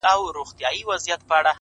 دغه رنگينه او حسينه سپوږمۍ”